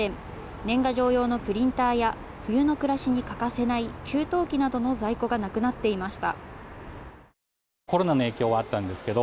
年賀状用のプリンターや冬の暮らしに欠かせない給湯器などの在庫がなくなっていました。